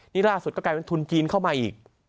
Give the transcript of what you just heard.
นี่ล่าสุดก็กลายเป็นทุนจีนเข้ามาอีก